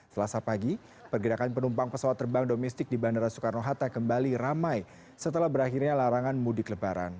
selasa pagi pergerakan penumpang pesawat terbang domestik di bandara soekarno hatta kembali ramai setelah berakhirnya larangan mudik lebaran